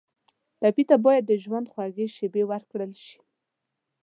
ټپي ته باید د ژوند خوږې شېبې ورکړل شي.